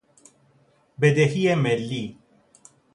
بدهی ملی